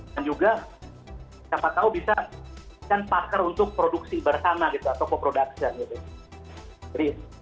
dan juga siapa tahu bisa membuat parker untuk produksi bersama gitu atau co production gitu